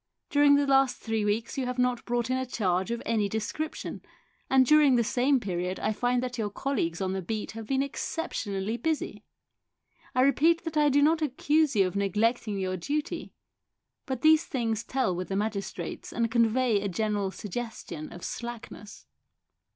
During the last three weeks you have not brought in a charge of any description, and during the same period I find that your colleagues on the beat have been exceptionally busy. I repeat that I do not accuse you of neglecting your duty, but these things tell with the magistrates and convey a general suggestion of slackness."